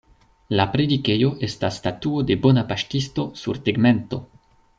La predikejo estas Statuo de Bona Paŝtisto sur tegmento.